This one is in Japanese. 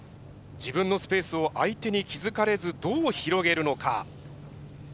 自分のスペースを相手に気付かれずどう広げるのか。